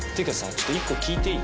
ちょっと一個聞いていい？